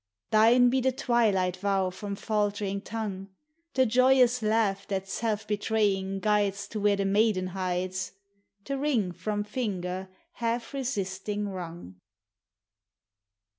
Thine be the twilight vow from faltering tongue; The joyous laugh that self betraying guides To where the maiden hides; The ring from linger half resisting wrung.